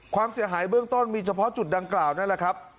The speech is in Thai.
ความเสียหายเบื้องต้นมีเฉพาะจุดดังกล่าวนั่นแหละครับ